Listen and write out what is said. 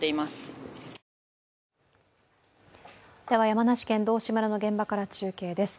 山梨県道志村の現場から中継です。